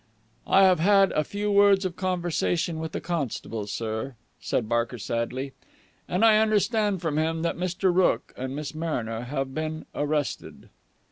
"I have had a few words of conversation with the constable, sir," said Barker sadly, "and I understand from him that Mr. Rooke and Miss Mariner have been arrested."